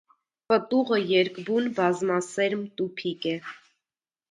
Պտուղը երկբուն բազմասերմ տուփիկ է։